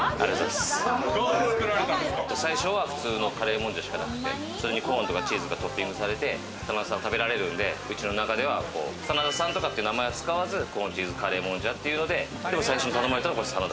最初は普通のカレーもんじゃしかなくて、それにコーンとかチーズをトッピングされて、真田さんが食べられるんで、うちの中では真田さんとかって名前は使わず、コーン・チーズ・カレーもんじゃということで。